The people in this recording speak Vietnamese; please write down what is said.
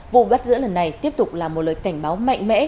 vụ bắt giữa lần này tiếp tục là một lời cảnh báo mạnh mẽ